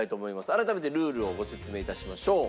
改めてルールをご説明致しましょう。